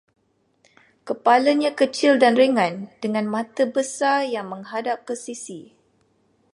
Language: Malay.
Kepalanya kecil dan ringan dengan mata besar yang menghadap ke sisi